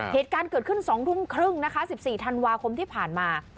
เหตุการณ์เกิดขึ้น๒ทุ่มครึ่งนะคะ๑๔ธันวาคมที่ผ่านมา